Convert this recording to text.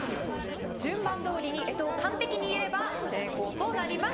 順番通りに干支を完璧に言えれば成功となります。